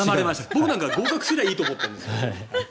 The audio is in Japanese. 僕なんかは合格すればいいと思ってるから。